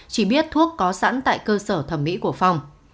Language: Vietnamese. chỉ biết thuốc có sẵn tại cơ sở thẩm mỹ của phong